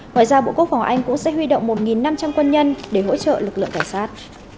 ngoài ra bộ quốc phòng anh cũng sẽ huy động một năm trăm linh quân nhân để hỗ trợ lực lượng cảnh sát